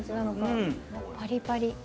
パリパリ。